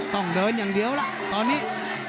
ต้องเดินอย่างเดียวล่ะตอนนี้